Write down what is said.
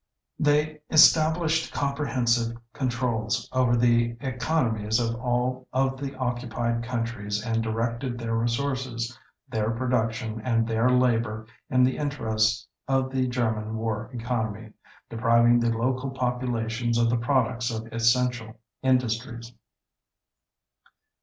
They established comprehensive controls over the economies of all of the occupied countries and directed their resources, their production and their labor in the interests of the German war economy, depriving the local populations of the products of essential industries.